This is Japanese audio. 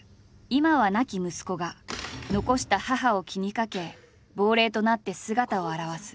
今は亡き息子が残した母を気にかけ亡霊となって姿を現す。